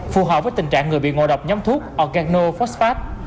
phù hợp với tình trạng người bị ngộ độc nhóm thuốc organophosphate